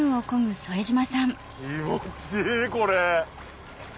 気持ちいいこれ。